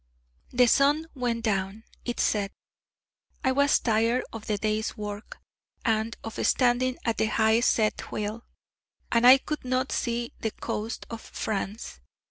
The sun went down: it set. I was tired of the day's work, and of standing at the high set wheel; and I could not yet see the coast of France.